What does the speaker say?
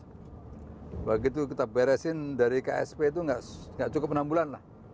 begitu kita beresin dari ksp itu nggak cukup enam bulan lah